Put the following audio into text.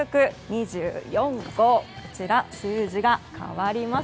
２４と数字が変わります。